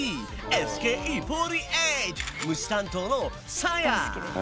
ＳＫＥ４８虫担当のさあや！